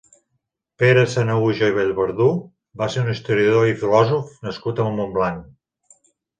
Pere Sanahuja i Vallverdú va ser un historiador i filòsof nascut a Montblanc.